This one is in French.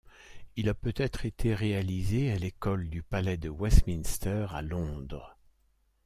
Il a peut-être été réalisé à l'école du palais de Westminster à Londres.